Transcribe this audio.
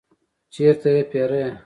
چیرته یی پیرئ؟